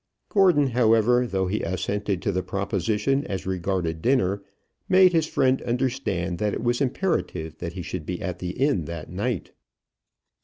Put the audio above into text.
Gordon, however, though he assented to the proposition as regarded dinner, made his friend understand that it was imperative that he should be at the inn that night.